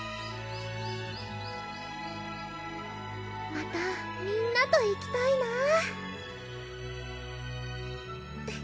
またみんなと行きたいなぁ